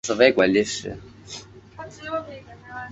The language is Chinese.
因参演刘德华演唱会及爱君如梦电影而为人所熟悉。